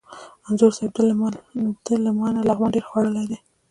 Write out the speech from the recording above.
انځور صاحب! ده له ما نه لغمان ډېر خوړلی دی.